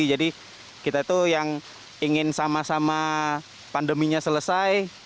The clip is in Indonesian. jadi kita itu yang ingin sama sama pandeminya selesai